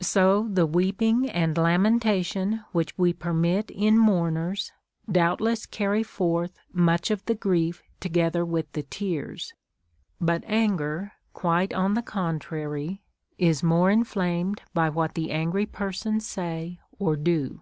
So the weeping and lamentation which we permit in mourn ers doubtless carry forth much of the grief together with the tears. But anger, quite on the contrary, is more in flamed by what the angry persons say or do.